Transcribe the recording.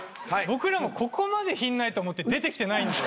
僕らもここまで品ないと思って出てきてないんで。